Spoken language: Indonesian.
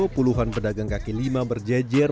puluhan pedagang kaki lima berjejer